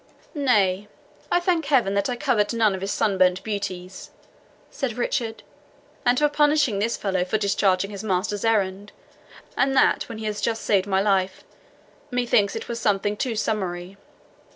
"Nay, I thank Heaven that I covet none of his sunburnt beauties," said Richard; "and for punishing this fellow for discharging his master's errand, and that when he has just saved my life methinks it were something too summary.